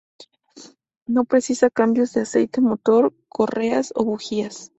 No precisa cambios de aceite motor, correas o bujías.